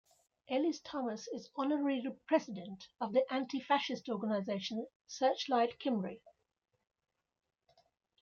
Elis-Thomas is Honorary President of the anti-fascist organisation Searchlight Cymru.